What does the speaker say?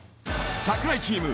櫻井チーム